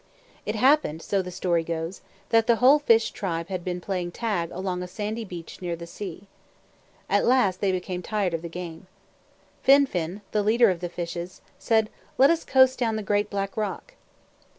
It happened, so the story goes, that the whole fish tribe had been playing tag along a sandy beach near the sea. At last they became tired of the game, Fin fin, the leader of the fishes, said, "Let us coast down the great, black rock."